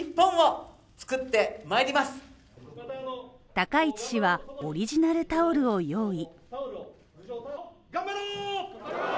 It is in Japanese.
高市氏はオリジナルタオルを用意。